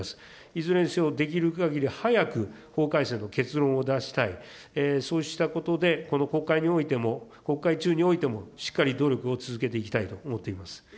いずれにせよ、できるかぎり早く法改正の結論を出したい、そうしたことで、この国会においても、国会中においても、しっかり努力を続けていきたいと思っています。